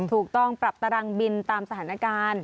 ถูกต้องปรับตารางบินตามสถานการณ์